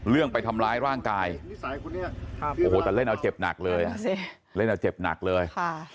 เรื่องไปทำร้ายร่างกายแต่เล่นเอาเจ็บหนักเลย